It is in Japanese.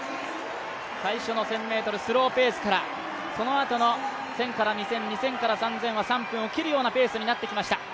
最初の１０００ｍ、スローペースから、そのあとの２０００３０００は３分を切るようなペースになってきました。